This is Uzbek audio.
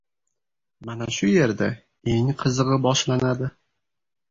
Mana shu yerda eng qizigʻi boshlanadi.